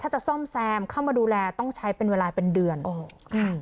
ถ้าจะซ่อมแซมเข้ามาดูแลต้องใช้เป็นเวลาเป็นเดือนโอ้โหค่ะ